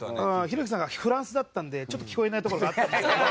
ひろゆきさんがフランスだったのでちょっと聞こえないところがあったんですけど。